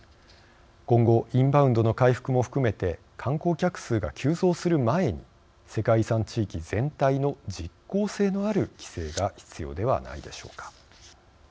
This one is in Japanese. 今後インバウンドの回復も含めて観光客数が急増する前に世界遺産地域全体の実効性のある規制が必要ではないでしょうか。